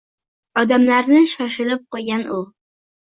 Odamlarni shoshirib qo’ygan u.